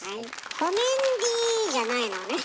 「ほめンディー」じゃないのね。